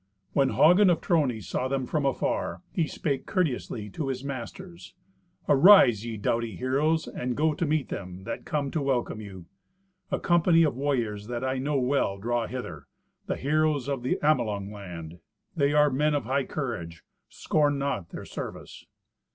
When Hagen of Trony saw them from afar, he spake courteously to his masters, "Arise, ye doughty heroes, and go to meet them that come to welcome you. A company of warriors that I know well draw hither—the heroes of the Amelung land. They are men of high courage. Scorn not their service."